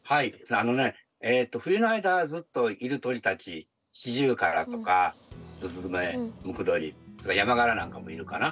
あのね冬の間ずっといる鳥たちシジュウカラとかスズメムクドリそれにヤマガラなんかもいるかな。